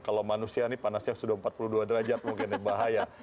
kalau manusia ini panasnya sudah empat puluh dua derajat mungkin bahaya